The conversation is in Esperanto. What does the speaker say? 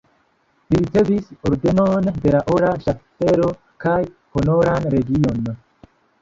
Li ricevis Ordenon de la Ora Ŝaffelo kaj Honoran legion.